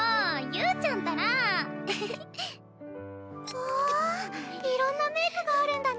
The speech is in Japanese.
うわいろんなメークがあるんだねえ。